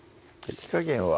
火加減は？